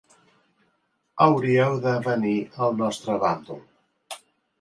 Hauríeu de venir al nostre bàndol.